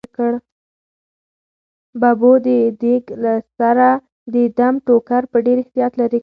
ببو د دېګ له سره د دم ټوکر په ډېر احتیاط لیرې کړ.